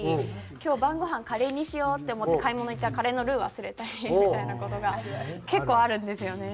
今日晩ごはんカレーにしようって思って買い物行ったらカレーのルー忘れたりみたいな事が結構あるんですよね。